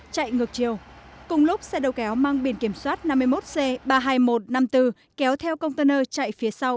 tám nghìn một trăm bảy mươi chạy ngược chiều cùng lúc xe đầu kéo mang biển kiểm soát năm mươi một c ba mươi hai nghìn một trăm năm mươi bốn kéo theo container chạy phía sau